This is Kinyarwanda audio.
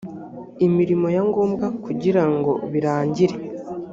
imirimo ya ngombwa kugira ngo birangire